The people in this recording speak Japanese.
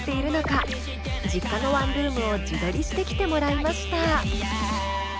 実家のワンルームを自撮りしてきてもらいました。